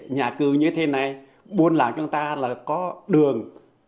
nhà cư như thế này buôn làm cho chúng ta là có đường